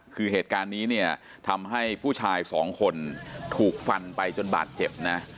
คือเหตุการณ์นี้เนี่ยทำให้ผู้ชายสองคนถูกฟันไปจนบาดเจ็บนะ